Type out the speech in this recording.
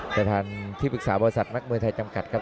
ประธานที่ปรึกษาบริษัทนักมวยไทยจำกัดครับ